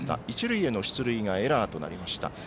一塁への出塁がエラーとなりました。